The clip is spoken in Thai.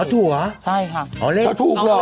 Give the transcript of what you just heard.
เอาถูกเหรอใช่ค่ะเอาเลขเอาถูกเหรอ